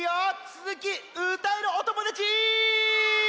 つづき歌えるおともだち！